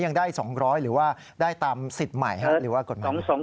ยังได้๒๐๐หรือว่าได้ตามสิทธิ์ใหม่หรือว่ากฎหมาย